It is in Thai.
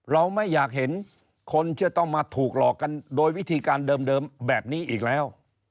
เราไม่อยากเห็นคนจะต้องมาถูกหลอกกันโดยวิธีการเดิมแบบนี้อีกแล้ว